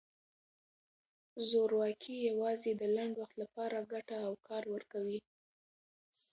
زورواکي یوازې د لنډ وخت لپاره ګټه او کار ورکوي.